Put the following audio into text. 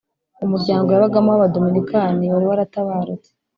umuryango yabagamo w’abadominikani, wari waratabarutse